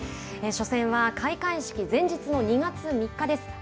初戦は開会式前日の２月３日です。